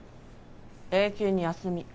永久に休み。